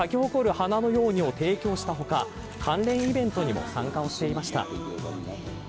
花のようにを提供した他関連イベントにも参加をしていました。